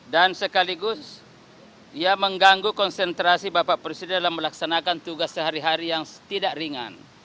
dan sekaligus mengganggu konsentrasi bapak presiden dalam melaksanakan tugas sehari hari yang tidak ringan